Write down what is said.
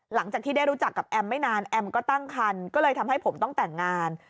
หลังจากที่ได้รู้จักกับแอมไม่นานแอมก็ตั้งคันก็เลยทำให้ผมต้องแต่งงาน